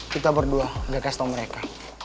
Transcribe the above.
kita berdua gak kasih tau mereka